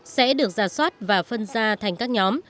sẽ được giả soát và phân ra thành các nhóm